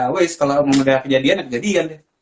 wiss kalau udah kejadian ya kejadian deh